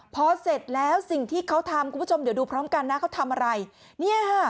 พอเสร็จแล้วสิ่งที่เขาทำคุณผู้ชมเดี๋ยวดูพร้อมกันนะเขาทำอะไรเนี่ยค่ะ